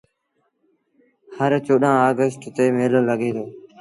هر چوڏهآݩ اگيسٽ تي ميلو لڳي دو۔